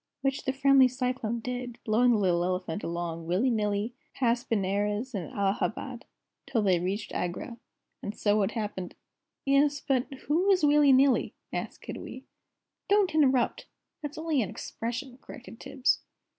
Which the friendly Cyclone did, blowing the little elephant along, willy nilly, past Benares and Allahabad, till they reached Agra. And it so happened " "'Es, but who is Willie Nilly?" asked Kiddiwee. "Don't interrupt! That's only an expression," corrected Tibbs.